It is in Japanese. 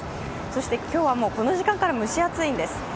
そして今日はもう、この時間から蒸し暑いんです。